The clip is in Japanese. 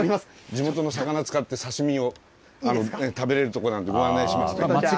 地元の魚使って、刺身を食べれる所なんで、ご案内します。